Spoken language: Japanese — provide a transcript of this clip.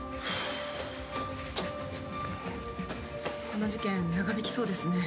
この事件長引きそうですね。